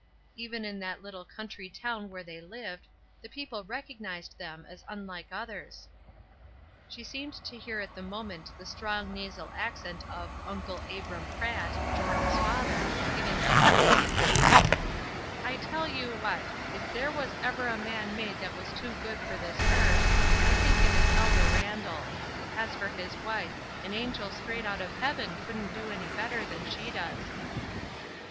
Even in that little country town where they lived, the people recognized them as unlike others. She seemed to hear at the moment the strong nasal accent of " Uncle Abram Pratt," J Oram's father, giving his opinion: — "I tell you what, if there was ever a man made that was too good for this earth, I think it is Elder Randall ; and as for his wife, an angel straight out of heaven couldn't do any better than she does."